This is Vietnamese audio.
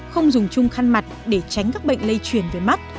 không dùng chung khăn mặt để tránh các bệnh lây chuyển về mắt